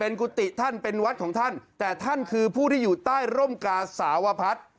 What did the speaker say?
กุฏิท่านเป็นวัดของท่านแต่ท่านคือผู้ที่อยู่ใต้ร่มกาสาวพัฒน์